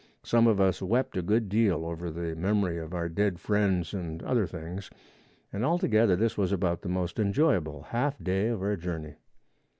Some of us wept a good deal over the memory of our dead friends and other things, and all together this was about the most enjoyable half day of our journey.